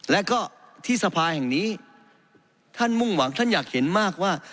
และก็ที่สภาแห่งนี้ท่านมุ่งหวังท่านอยากเห็นมากว่า